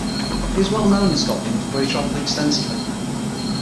He was well known in Scotland, where he travelled extensively.